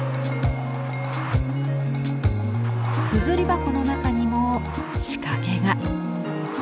硯箱の中にも仕掛けが。